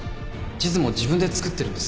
地図も自分で作ってるんです